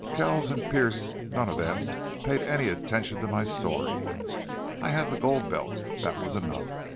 Kells and Pearce none of them paid any attention to my story. I had the gold belt. That was enough.